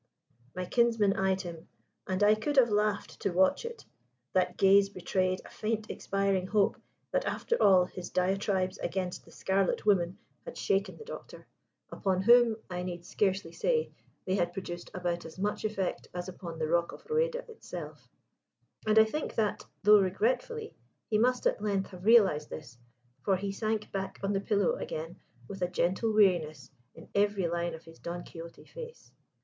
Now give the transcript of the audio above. My kinsman eyed him; and I could have laughed to watch it that gaze betrayed a faint expiring hope that, after all, his diatribes against the Scarlet Woman had shaken the Doctor upon whom (I need scarcely say) they had produced about as much effect as upon the rock of Rueda itself. And I think that, though regretfully, he must at length have realised this, for he sank back on the pillow again with a gentle weariness in every line of his Don Quixote face.